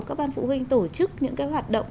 các ban phụ huynh tổ chức những cái hoạt động